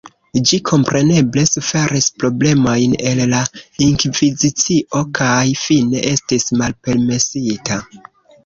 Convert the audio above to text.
Ĝi kompreneble suferis problemojn el la Inkvizicio kaj fine estis malpermesita.